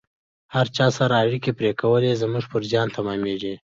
هر چا سره اړیکې پرې کول زموږ پر زیان تمامیږي